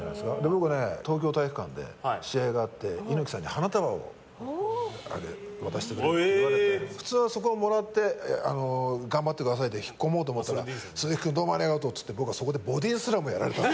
僕ね、東京体育館で試合があって猪木さんに花束を渡してくれって言われて。普通は、そこはもらって頑張ってくださいで引っ込もうと思ったら鈴木君、どうもありがとうって僕はそこでボディースラムやられたの。